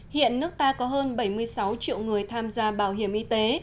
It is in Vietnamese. hiện nước ta có hơn bảy mươi sáu triệu người tham gia bảo hiểm y tế